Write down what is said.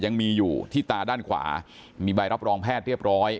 ยังมีอยู่ที่ตาด้านขวามีใบรับรองแพทย์เรียบร้อย